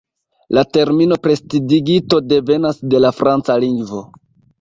La termino "prestidigito" devenas de la franca lingvo.